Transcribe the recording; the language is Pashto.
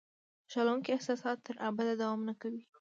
خوشالونکي احساسات تر ابده دوام نه کوي.